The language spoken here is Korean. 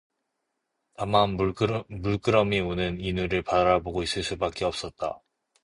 다만 물끄러미 우는 인우를 바라보고 있을 수밖에 없었다.